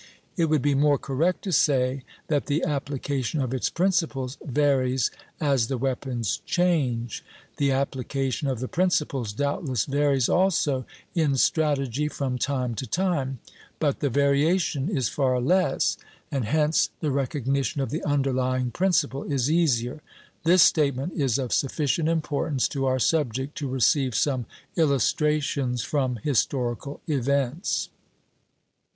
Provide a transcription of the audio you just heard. It would be more correct to say that the application of its principles varies as the weapons change. The application of the principles doubtless varies also in strategy from time to time, but the variation is far less; and hence the recognition of the underlying principle is easier. This statement is of sufficient importance to our subject to receive some illustrations from historical events.